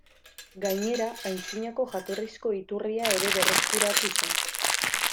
Gainera, antzinako jatorrizko iturria ere berreskuratu zen.